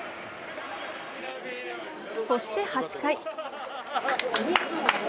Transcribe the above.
そして８回。